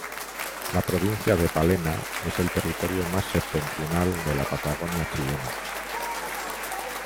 La provincia de Palena es el territorio más septentrional de la Patagonia chilena.